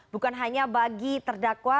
bukan hanya bagi terdakwa